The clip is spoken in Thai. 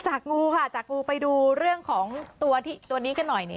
งูค่ะจากงูไปดูเรื่องของตัวนี้กันหน่อย